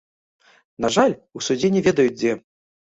На жаль, у судзе не ведаюць, дзе.